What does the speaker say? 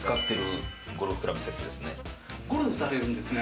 ゴルフされるんですね。